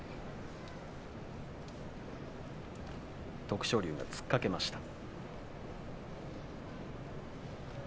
徳勝龍が突っかけました。